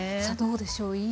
さあどうでしょう。